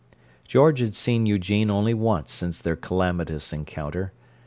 George had seen Eugene only once since their calamitous encounter.